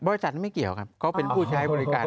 บริษัทนั้นไม่เกี่ยวกันเขาเป็นผู้ใช้บริการ